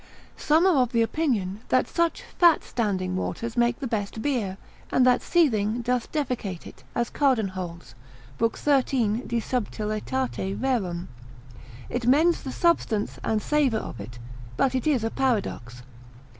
Some are of opinion, that such fat standing waters make the best beer, and that seething doth defecate it, as Cardan holds, Lib. 13. subtil. It mends the substance, and savour of it, but it is a paradox.